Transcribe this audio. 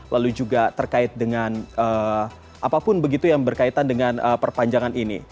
lalu juga terkait dengan apapun begitu yang berkaitan dengan perpanjangan ini